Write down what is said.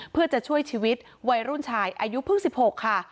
เพื่อจะช่วยชีวิตวัยรุ่นชายอายุเพิ่ง๑๖ค่ะ